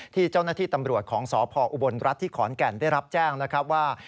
ที่เจ้าหน้าที่ตำรวจของสพออุบลรัฐที่ขอนแก่นได้รับแจ้งนะครับว่า